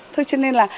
thế cho nên là